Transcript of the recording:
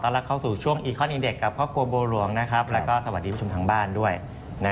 ถ้าเราเทียบคนจีนเรียกวันจ่ายนะ